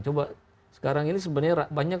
coba sekarang ini sebenarnya